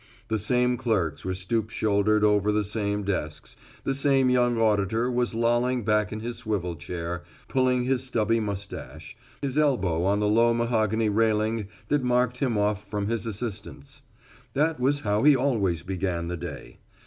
The same clerks were stoop shouldered over the same desks, the same young auditor was lolling back in his swivel chair, pulling his stubby mustache, his elbow on the low mahogany railing that marked him off from his assistants. That was how he always began the day.